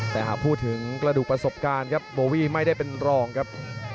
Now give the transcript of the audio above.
แต่หากพูดถึงกระดูกประสบการณ์ครับโบวี่ไม่ได้เป็นรองครับ